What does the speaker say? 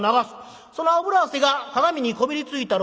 その脂汗が鏡にこびりついたる